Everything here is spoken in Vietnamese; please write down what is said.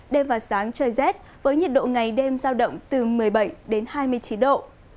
đêm và sáng trời rét với nhiệt độ ngày đêm giao động từ một mươi bảy đến hai mươi chín độ